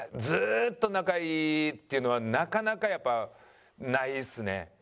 ずっと仲いいっていうのはなかなかやっぱないですね。